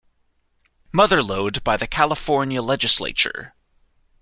Mother Lode by the California legislature.